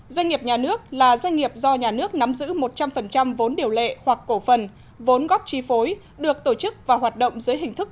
doanh nghiệp nhà nước là doanh nghiệp do nhà nước nắm giữ một trăm linh vốn điều lệ hoặc cổ phần vốn góp chi phối được tổ chức và hoạt động dưới hình thức